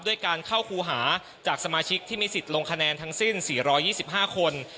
ด้วยการเข้าครูหาจากสมาชิกที่มีสิทธิ์ลงคะแนนทั้งสิ้น๔๒๕คน